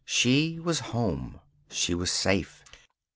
She was home. She was safe.